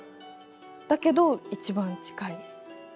だけど一番近い。